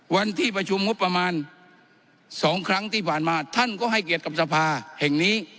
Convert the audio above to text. วันที่ประชุมงบประมาณ๒ครั้งที่ผ่านมาท่านก็ให้เกียรติกับสภาแห่งนี้